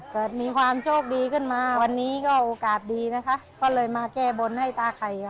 เกิดมีความโชคดีขึ้นมาวันนี้ก็โอกาสดีนะคะก็เลยมาแก้บนให้ตาไข่ค่ะ